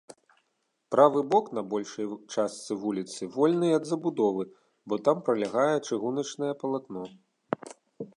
Правы бок на большай частцы вуліцы вольны ад забудовы, бо там пралягае чыгуначнае палатно.